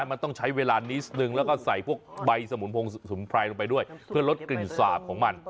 มันต้องใช้เวลานี้นึง